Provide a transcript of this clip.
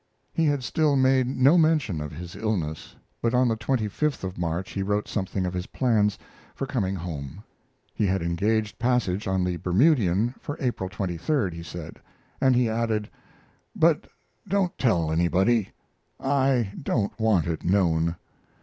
He had still made no mention of his illness; but on the 25th of March he wrote something of his plans for coming home. He had engaged passage on the Bermudian for April 23d, he said; and he added: But don't tell anybody. I don't want it known.